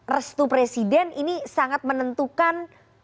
restu presiden ini sangat menentukan